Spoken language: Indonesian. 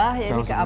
sama sama pak desi